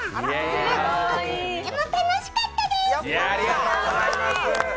でも、とっても楽しかったです！